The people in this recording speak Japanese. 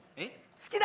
好きだ！